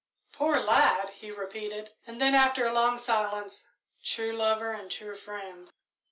"Poor lad!" he repeated; and then, after a long silence, "true lover and true friend."